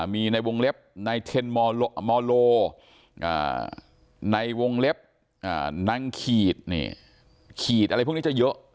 มีในวงเล็บในเทนมอโลในวงเล็บนางขีดขีดอะไรพวกนี้จะเยอะ